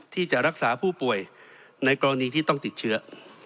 ที่จะรักษาผู้ป่วยในกรณีที่ต้องติดเชื้อ